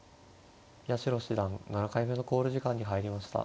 八代七段７回目の考慮時間に入りました。